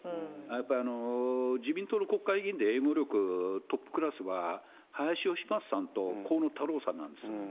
やっぱり自民党の国会議員で英語力トップクラスは、林芳正さんと河野太郎さんなんです。